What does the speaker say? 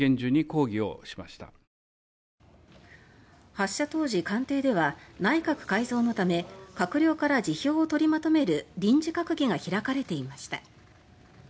発射当時、官邸では内閣改造のため閣僚から辞表を取りまとめる臨時閣議が開かれていました。